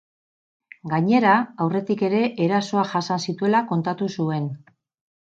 Gainera, aurretik ere erasoak jasan zituela kontatu zuen.